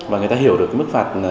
và người ta hiểu được mức phạt